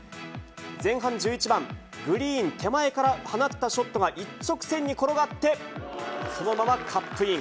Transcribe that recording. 前半１１番、グリーン手前から放ったショットが一直線に転がって、そのままカップイン。